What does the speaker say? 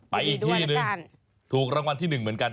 อีกที่หนึ่งถูกรางวัลที่๑เหมือนกัน